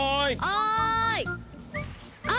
おい！